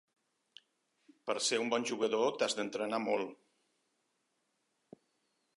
Per ser un bon jugador t'has d'entrenar molt.